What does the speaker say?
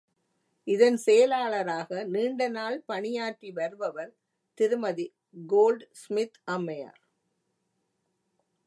இதன் செயலாளராக நீண்டநாள் பணியாற்றிவருபவர் திருமதி கோல்டுஸ்மித் அம்மையார்.